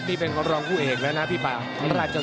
พี่น้องอ่ะพี่น้องอ่ะพี่น้องอ่ะ